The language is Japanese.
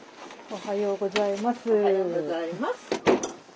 おはようございます。